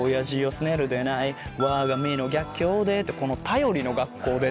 スネるでない我が身の逆境でってこの「頼りの学校で」